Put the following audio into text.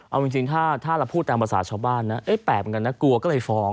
เอาจริงถ้าเราพูดตามภาษาชาวบ้านนะแปลกเหมือนกันนะกลัวก็เลยฟ้อง